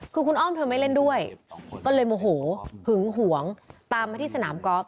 คือคุณอ้อมเธอไม่เล่นด้วยก็เลยโมโหหึงหวงตามมาที่สนามกอล์ฟ